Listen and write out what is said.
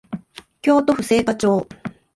京都府精華町